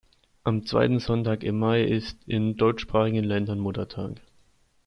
Am zweiten Sonntag im Mai ist in deutschsprachigen Ländern Muttertag.